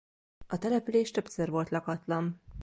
A település többször volt lakatlan.